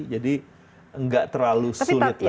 jadi nggak terlalu sulit